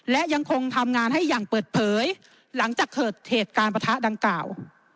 และยังคงทำงานให้อย่างเปิดเผยหลังจากเกิดเหตุการณ์ประทะดังกล่าว